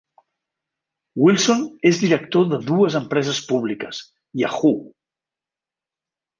Wilson és director de dues empreses públiques: Yahoo!